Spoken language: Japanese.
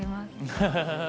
ハハハハ！